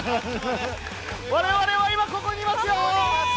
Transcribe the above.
われわれは今、ここにいますよ。